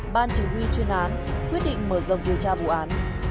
ban chỉ huy chuyên án quyết định mở rộng điều tra vụ án